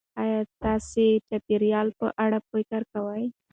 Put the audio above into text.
ایا تاسې د چاپیریال په اړه فکر کوئ؟